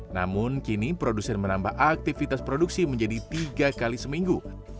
namun kini produsen menambah aktivitas produksi menjadi tiga kali seminggu